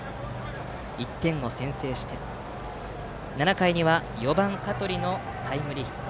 １点を先制して７回には４番、香取のタイムリーヒット。